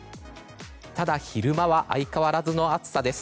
ただ、昼間は相変わらずの暑さです。